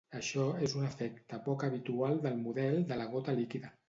Això és un efecte poc habitual del model de la gota líquida.